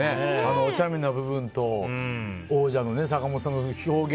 おちゃめな部分と王者の坂本さんの表現。